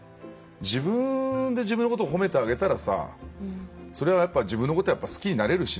自分で自分のことを褒めてあげたらさそれは自分のことをやっぱ好きになれるしさ。